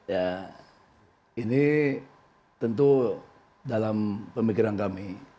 ya ini tentu dalam pemikiran kami